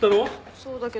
そうだけど。